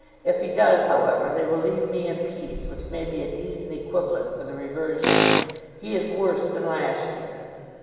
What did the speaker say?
If he does, however, they will leave me in peace, which may be a decent equivalent for the reversion. He is worse than last year.